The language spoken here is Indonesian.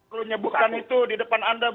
perlu nyebutkan itu di depan anda